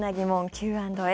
Ｑ＆Ａ。